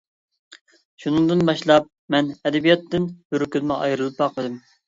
شۇنىڭدىن باشلاپ مەن ئەدەبىياتتىن بىر كۈنمۇ ئايرىلىپ باقمىدىم.